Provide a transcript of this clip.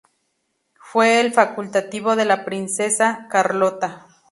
Fue el facultativo de la princesa Carlota.